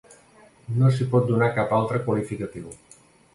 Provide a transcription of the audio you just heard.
No s’hi pot donar cap altre qualificatiu.